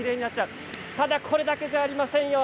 ただこれだけじゃありませんよ。